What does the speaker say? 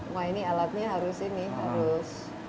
wah ini alatnya harus ini harus